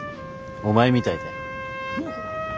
お前みたいたい。